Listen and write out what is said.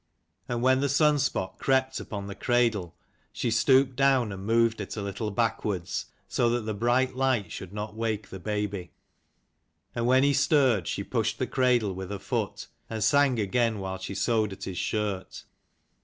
And when the sun spot crept upon the cradle she stooped down and moved it a little backwards, so that the bright light should not wake the baby. And when he stirred she pushed the cradle with her foot and sang again while she sewed at his shirt.